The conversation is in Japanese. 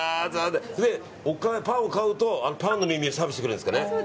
パンを買うと、パンの耳をサービスしてくれるんですかね。